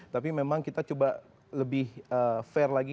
tapi memang kita coba lebih fair lagi